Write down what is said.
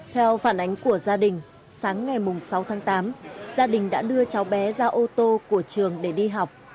theo phản ánh của gia đình sáng ngày sáu tháng tám gia đình đã đưa cháu bé ra ô tô của trường để đi học